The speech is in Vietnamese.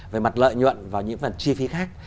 về mặt lợi nhuận và những phần chi phí khác